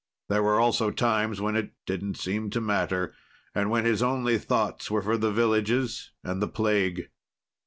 There were also times when it didn't seem to matter, and when his only thoughts were for the villages and the plague.